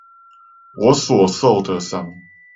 我所受的傷